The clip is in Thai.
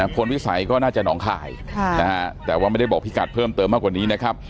พลวิสัยก็น่าจะหนองคายแต่ว่าไม่ได้บอกพี่กัดเพิ่มเติมมากกว่านี้นะครับ